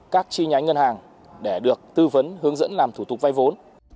các chi nhánh ngân hàng để được tư vấn hướng dẫn làm thủ tục vay vốn